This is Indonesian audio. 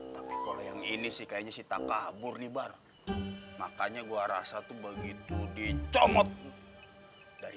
tapi kalau yang ini sih kayaknya sita kabur nih bar makanya gue rasa tuh begitu dicomot dari